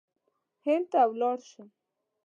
هند ته ولاړ شم.